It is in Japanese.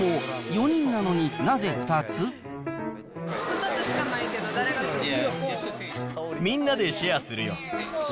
２つしかないけど、みんなでシェアするよ。